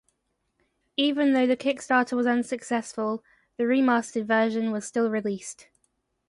Even though the Kickstarter was unsuccessful, the remastered version was still released.